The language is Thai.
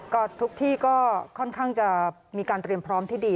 ก็ทุกที่ก็ค่อนข้างจะมีการเตรียมพร้อมที่ดี